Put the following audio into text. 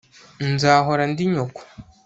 Nzahora ndi nyoko